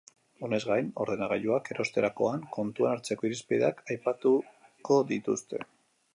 Honez gain, ordenagailuak erostearakoan kontuan hartzeko irizpideak aipatuko dituzte.